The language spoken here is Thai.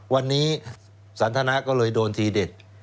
วันนี้สันทนาก็เลยโดนทีเด็ด